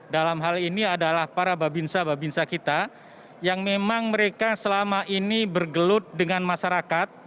dalam hal ini adalah para babinsa babinsa kita yang memang mereka selama ini bergelut dengan masyarakat